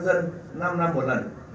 dân năm năm một lần